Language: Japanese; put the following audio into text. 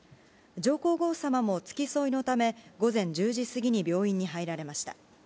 上皇后さまも付き添いのため、午前１０時過ぎに病院に入られました。